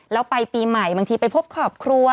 เราไปปีใหม่บางทีไปพบขอบครัว